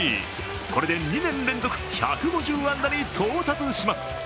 これで２年連続１５０安打に到達します。